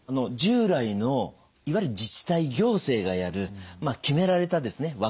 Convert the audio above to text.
従来のいわゆる自治体行政がやる決められたですね